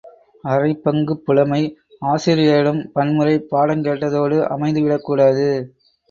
அரைபங்குப் புலமை ஆசிரியரிடம் பன்முறை பாடங் கேட்டதோடு அமைந்து விடக்கூடாது.